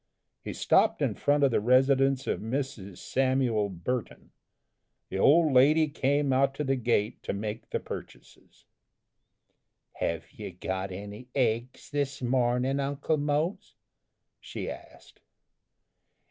He stopped in front of the residence of Mrs. Samuel Burton. The old lady came out to the gate to make the purchases. "Have you got any eggs this morning, Uncle Mose?" she asked.